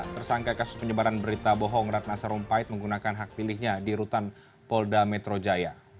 tersangka kasus penyebaran berita bohong ratna sarumpait menggunakan hak pilihnya di rutan polda metro jaya